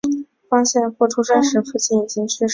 方献夫出生时父亲已经去世。